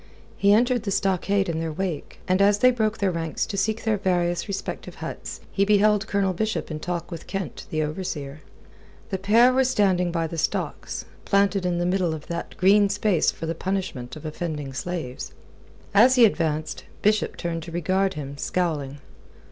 He entered the stockade in their wake, and as they broke their ranks to seek their various respective huts, he beheld Colonel Bishop in talk with Kent, the overseer. The pair were standing by the stocks, planted in the middle of that green space for the punishment of offending slaves. As he advanced, Bishop turned to regard him, scowling.